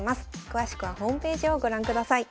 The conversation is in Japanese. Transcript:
詳しくはホームページをご覧ください。